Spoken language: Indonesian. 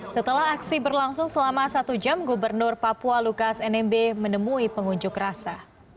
setelah aksi berlangsung selama satu jam gubernur papua lukas nmb menemui pengunjuk rasa